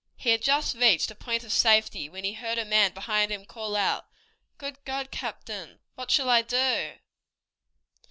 He had just reached a point of safety when he heard a man behind him call out, "Good God, captain, what shall I do?"